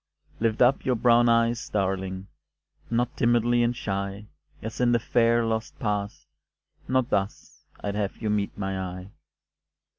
Lift up your brown eyes, darling, Not timidly and shy, As in the fair, lost past, not thus I'd have you meet my eye.